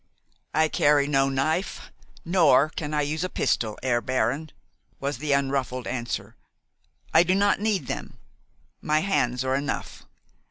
"I carry no knife, nor can I use a pistol, Herr Baron," was the unruffled answer. "I do not need them. My hands are enough.